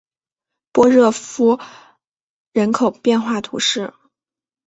波热夫人口变化图示